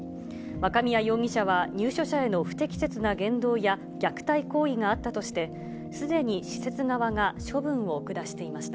若宮容疑者は、入所者への不適切な言動や、虐待行為があったとして、すでに施設側が処分を下していました。